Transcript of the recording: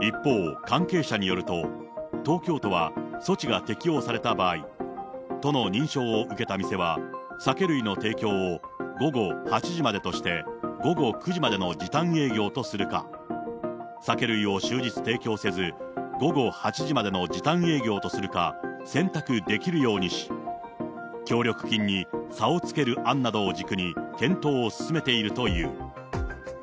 一方、関係者によると、東京都は措置が適用された場合、都の認証を受けた店は酒類の提供を午後８時までとして、午後９時までの時短営業とするか、酒類を終日提供せず、午後８時までの時短営業とするか、選択できるようにし、協力金に差をつける案などを軸に、検討を進めているという。